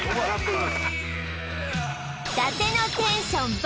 伊達のテンション爆